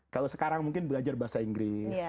kalau sekarang mungkin belajar bahasa inggris